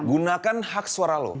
gunakan hak suara lo